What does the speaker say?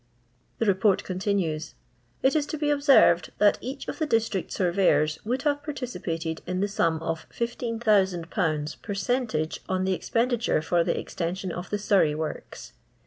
The Report continues, " It is to be oUerred ; that each of the district lorreTAri woald have ; particip:ited in the sum of 16,000/. percentage , on the expenditure for the eztenai'D of the Surrey works.